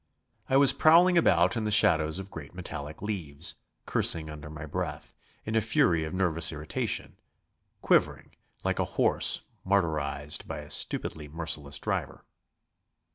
I was prowling about in the shadows of great metallic leaves, cursing under my breath, in a fury of nervous irritation; quivering like a horse martyrised by a stupidly merciless driver.